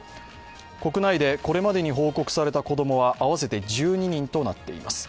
国内でこれまでに報告された子供は合わせて１２人となっています。